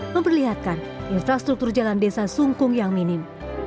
memperlihatkan infrastruktur jalan desa sungkung yang minim